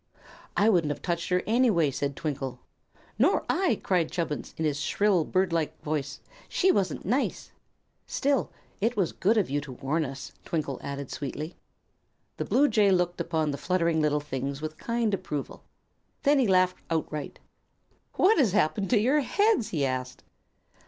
"I wouldn't have touched her, anyhow," said Twinkle. "Nor I!" cried Chubbins, in his shrill, bird like voice. "She wasn't nice." "Still, it was good of you to warn us," Twinkle added, sweetly. The Bluejay looked upon the fluttering little things with kind approval. Then he laughed outright. "What has happened to your heads?" he asked.